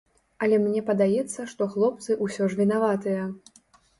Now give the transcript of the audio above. Але мне падаецца, што хлопцы ўсё ж вінаватыя.